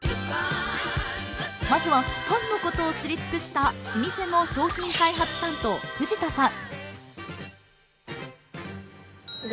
まずはパンのことを知り尽くした老舗の商品開発担当藤田さん